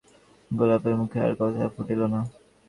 গোপালের মুখে আর কথা ফুটিল না।